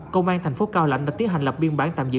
công an thành phố cao lãnh đã tiến hành lập biên bản tạm giữ